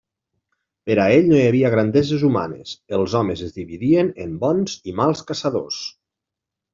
Per a ell no hi havia grandeses humanes: els homes es dividien en bons i mals caçadors.